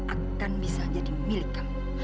akan bisa jadi milik kamu